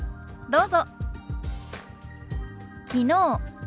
どうぞ。